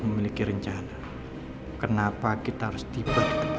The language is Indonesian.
memiliki rencana kenapa kita harus tiba